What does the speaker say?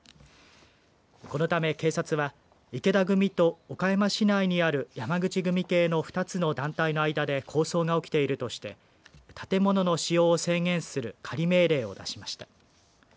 このため、警察は池田組と岡山市内にある山口組系の２つの団体の間で抗争が起きているとして建物の使用を制限する仮命令を出しました。